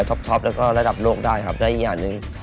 ท็อปแล้วก็ระดับโลกได้อีกอย่างหนึ่ง